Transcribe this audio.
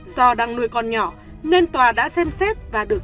do đang nuôi con nhỏ nên tòa đã xem xét và được